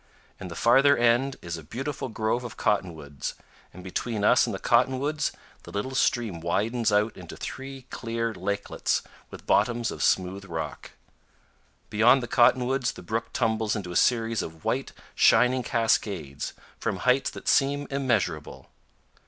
In the farther end is a beautiful grove of cottonwoods, and between us and the cotton woods the little stream widens out into three clear lakelets with bottoms of smooth rock. Beyond the cottonwoods the brook tumbles in a series of white, shining cascades from heights that seem immeasurable.